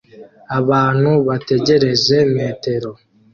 abantu bategereje metero